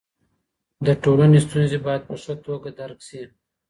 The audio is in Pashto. د ټولني ستونزې باید په ښه توګه درک سي.